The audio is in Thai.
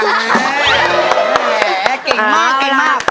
เก่งมาก